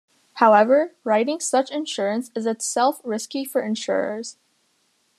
However, writing such insurance is itself risky for insurers.